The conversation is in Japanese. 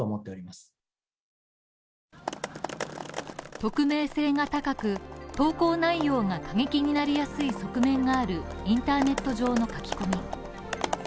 匿名性が高く、投稿内容が過激になりやすい側面があるインターネット上の書き込み